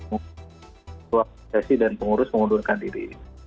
ketua pssi dan pengurus mengundurkan diri